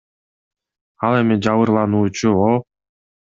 Ал эми жабырлануучу О.